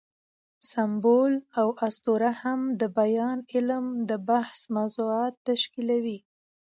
سمبول او اسطوره هم د بیان علم د بحث موضوعات تشکیلوي.